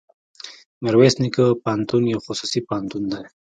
ميرويس نيکه پوهنتون يو خصوصي پوهنتون دی.